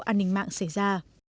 an ninh mạng xảy ra